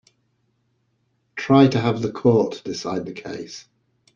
Try to have the court decide the case.